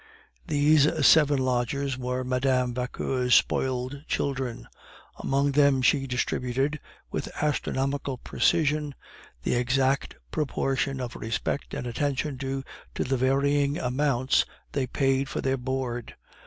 These seven lodgers were Mme. Vauquer's spoiled children. Among them she distributed, with astronomical precision, the exact proportion of respect and attention due to the varying amounts they paid for their board.